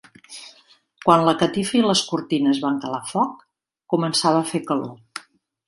Quan la catifa i les cortines van calar foc, començava a fer calor.